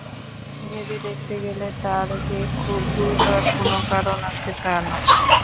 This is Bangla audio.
ভেবে দেখতে গেলে তার যে খুব গুরুতর কোনো কারণ আছে তা নয়।